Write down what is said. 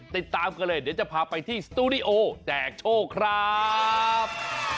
ติดตามกันเลยเดี๋ยวจะพาไปที่สตูดิโอแจกโชคครับ